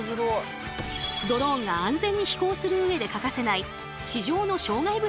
ドローンが安全に飛行する上で欠かせない地上の障害物